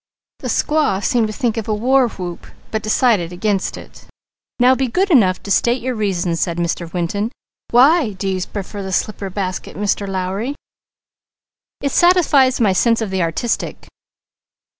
The squaw seemed to think of a war whoop, but decided against it. "Now be good enough to state your reasons," said Mr. Winton. "Why do you prefer the slipper basket, Mr. Lowry?" "It satisfies my sense of the artistic."